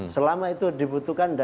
selama itu dibutuhkan